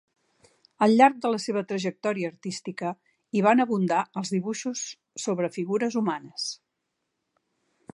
Al llarg de la seva trajectòria artística hi van abundar els dibuixos sobre figures humanes.